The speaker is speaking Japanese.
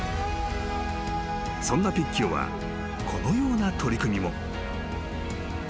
［そんなピッキオはこのような取り組みも］